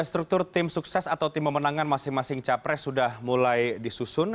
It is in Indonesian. struktur tim sukses atau tim pemenangan masing masing capres sudah mulai disusun